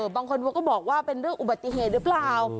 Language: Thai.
บางคนเขาก็บอกว่าเป็นเรื่องอุบัติเหตุหรือเปล่า